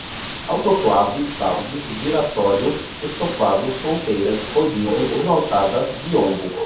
autoclave, balde, giratório, estofado, ponteiras, rodízios, esmaltada, biombo